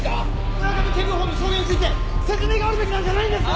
村上警部補の証言について説明があるべきなんじゃないんですか！？